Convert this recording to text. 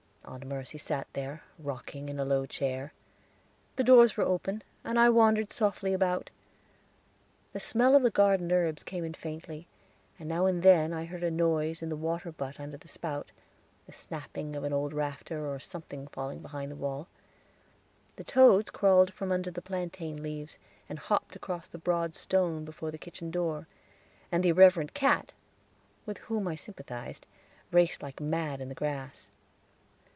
Aunt Mercy sat there, rocking in a low chair; the doors were open, and I wandered softly about. The smell of the garden herbs came in faintly, and now and then I heard a noise in the water butt under the spout, the snapping of an old rafter, or something falling behind the wall. The toads crawled from under the plantain leaves, and hopped across the broad stone before the kitchen door, and the irreverent cat, with whom I sympathized, raced like mad in the grass.